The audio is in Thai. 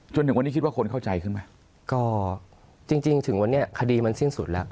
จนถึงวันนี้คิดว่าคนเข้าใจขึ้นไหมก็จริงจริงถึงวันนี้คดีมันสิ้นสุดแล้ว